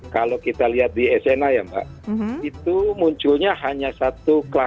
kalau kita lihat di sna ya mbak itu munculnya hanya satu kelas